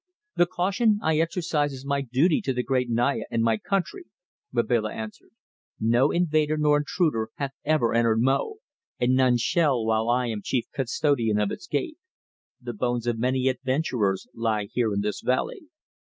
"The caution I exercise is my duty to the great Naya and my country," Babila answered. "No invader nor intruder hath ever entered Mo, and none shall while I am chief custodian of its Gate. The bones of many adventurers lie here in this valley."